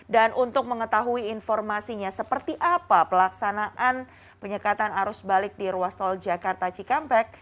dan untuk mengetahui informasinya seperti apa pelaksanaan penyekatan arus balik di ruas tol jakarta cikampek